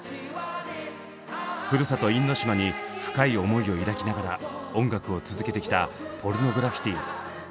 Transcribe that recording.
ふるさと因島に深い思いを抱きながら音楽を続けてきたポルノグラフィティ。